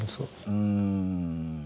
うん。